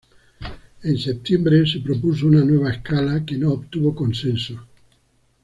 En septiembre se propuso una nueva escala que no obtuvo consenso.